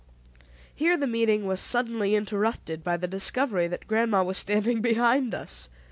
Here the meeting was suddenly interrupted by the discovery that grandma was standing behind us.